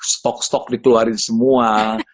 stok stok dikeluarin semua